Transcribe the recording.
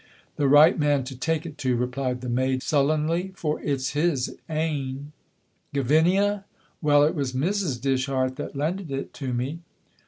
"The right man to take it to," replied the maid, sullenly, "for it's his ain." "Gavinia!" "Well, it was Mrs. Dishart that lended it to me."